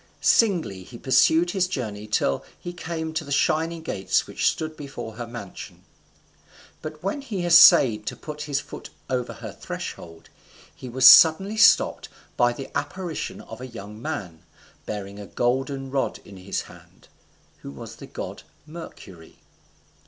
Singly he pursued his journey till he came to the shining gates which stood before her mansion; but when he essayed to put his foot over her threshold, he was suddenly stopped by the apparition of a young man, bearing a golden rod in his hand, who was the god Mercury.